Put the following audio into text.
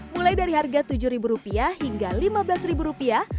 mulai dari harga tujuh rupiah hingga lima belas rupiah